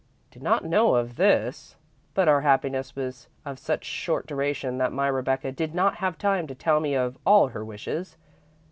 Did not know of this, but our happiness was of such short duration that my Rebecca did not have time to tell me of all her wishes.